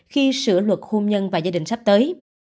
khi sửa luật hôn nhân và gia đình sắp tới